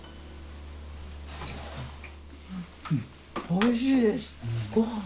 おいしいですごはん。